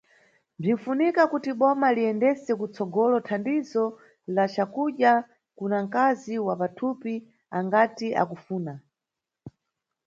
Bzinʼfunika kuti boma liyendese kutsogolo thandizo la cakudya kuna nkazi wa pathupi angati akufuna.